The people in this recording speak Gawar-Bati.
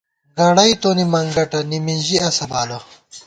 گَڑئی تونی منگٹہ ، نِمِنژی اسہ بالہ